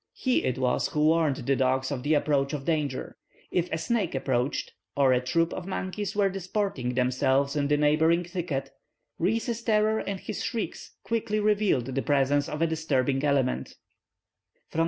He it was who warned the dogs of the approach of danger. If a snake approached, or a troop of monkeys were disporting themselves in a neighbouring thicket, Rees' terror and his shrieks quickly revealed the presence of a disturbing element.